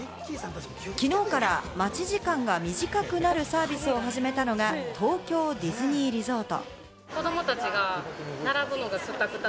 きのうから待ち時間が短くなるサービスを始めたのが、東京ディズニーリゾート。